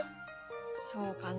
そうかな。